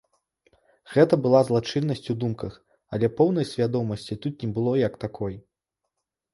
Гэта была злачыннасць у думках, але поўнай свядомасці тут не было як такой.